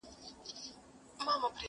سمدستي د خپل کهاله پر لور روان سو!!